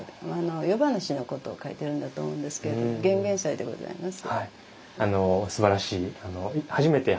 夜咄のことを書いているんだと思うんですけれども玄々斎でございます。